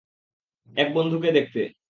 এক বন্ধুকে দেখতে।